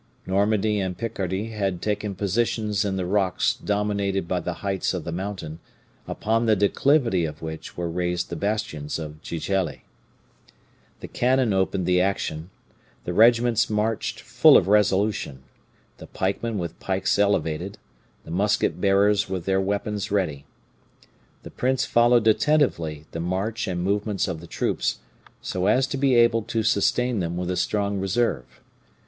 Normandy and Picardy had taken positions in the rocks dominated by the heights of the mountain, upon the declivity of which were raised the bastions of Gigelli. "The cannon opened the action; the regiments marched full of resolution; the pikemen with pikes elevated, the musket bearers with their weapons ready. The prince followed attentively the march and movements of the troops, so as to be able to sustain them with a strong reserve.